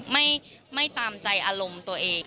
ไม่ตามใจอารมณ์ตัวเอง